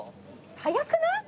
早くない？